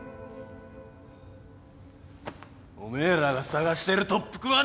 おめえらが捜してる特服はな！